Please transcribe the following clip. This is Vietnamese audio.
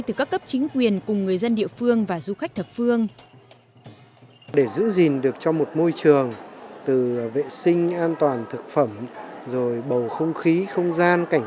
từ các cấp chính quyền cùng người dân địa phương và du khách thập phương